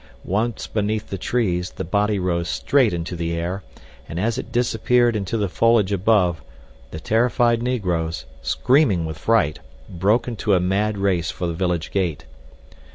Once beneath the trees, the body rose straight into the air, and as it disappeared into the foliage above, the terrified negroes, screaming with fright, broke into a mad race for the village gate.